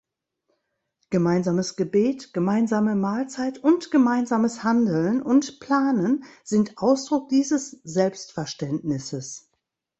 Gemeinsames Gebet, gemeinsame Mahlzeit und gemeinsames Handeln und Planen sind Ausdruck dieses Selbstverständnisses.